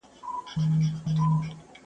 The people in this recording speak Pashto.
د وينو په دې ښار کښې هر څوک سپينه لمن ګرځي